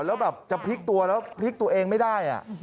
แล้วแบบจะพลิกตัวแล้วพลิกตัวเองไม่ได้